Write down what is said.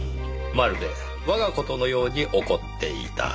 まるで我が事のように怒っていた。